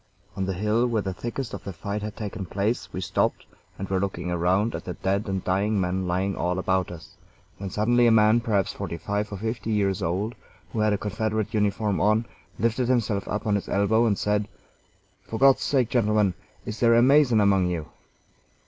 On the hill where the thickest of the fight had taken place we stopped, and were looking around at the dead and dying men lying all about us, when suddenly a man, perhaps forty five or fifty years old, who had a Confederate uniform on, lifted himself up on his elbow, and said: "For God's sake, gentlemen, is there a Mason among you?"